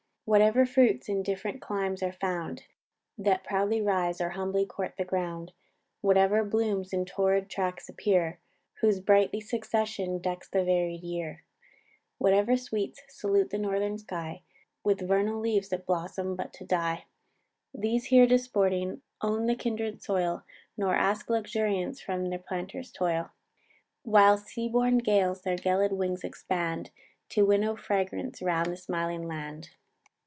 Whatever fruits in different climes are found, That proudly rise, or humbly court the ground; Whatever blooms in torrid tracts appear, Whose bright succession decks the varied year: Whatever sweets salute the northern sky, With vernal leaves that blossom but to die: These here disporting, own the kindred soil, Nor ask luxuriance from their planter's toil; While sea born gales their gelid wings expand, To winnow fragrance round the smiling land.